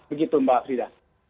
begitu mbak fida